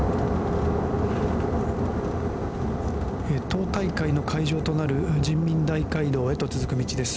党大会の会場となる人民大会堂へと続く道です。